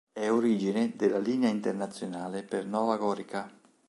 È origine della linea internazionale per Nova Gorica.